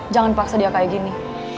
jangan paksa dia kayak gini